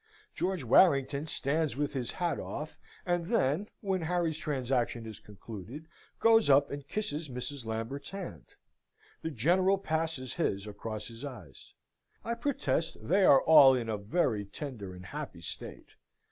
George Warrington stands with his hat off, and then (when Harry's transaction is concluded) goes up and kisses Mrs. Lambert's hand: the General passes his across his eyes. I protest they are all in a very tender and happy state.